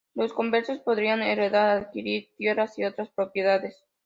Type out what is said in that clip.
Los conversos podrían heredar, adquirir tierras y otras propiedades.